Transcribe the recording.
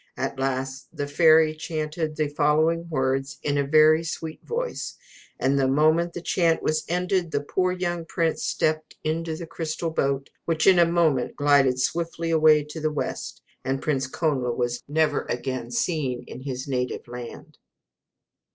At last the fairy chanted the following words in a very sweet voice: and the moment the chant was ended, the poor young prince stepped into the crystal boat, which in a moment glided swiftly away to the west: and Prince Connla was never again seen in his native land.